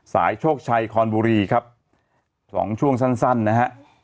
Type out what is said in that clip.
โชคชัยคอนบุรีครับสองช่วงสั้นสั้นนะฮะ